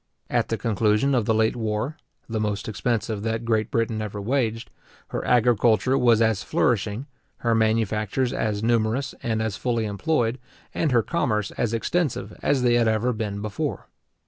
At the conclusion of the late war, the most expensive that Great Britain ever waged, her agriculture was as flourishing, her manufacturers as numerous and as fully employed, and her commerce as extensive, as they had ever been before.